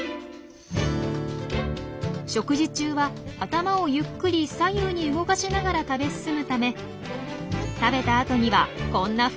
食事中は頭をゆっくり左右に動かしながら食べ進むため食べた後にはこんなふうに独特な模様が残されます。